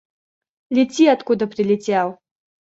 Лети откуда прилетел!